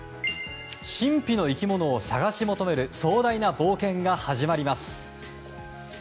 神秘の生き物を探し求める壮大な冒険が始まります。